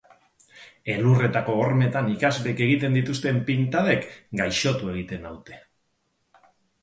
Elurretako hormetan ikasleek egiten dituzten pintadek gaixotu egiten naute.